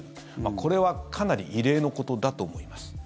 これはかなり異例のことだと思います。